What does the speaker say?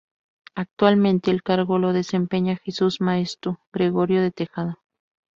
Actualmente el cargo lo desempeña Jesús Maeztu Gregorio de Tejada.